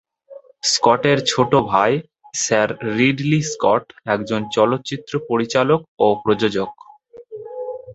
স্কটের ছোট ভাই sir Ridley Scott একজন চলচ্চিত্র পরিচালক ও প্রযোজক।